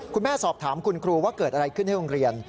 คุณแม่สอบถามคุณครูว่าเกิดอะไรขึ้นในโรงเรียน